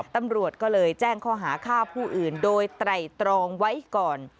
ตำรวจก็เลยแจ้งข้อหาฆ่าผู้อื่นโดยไตรตรองไว้ก่อน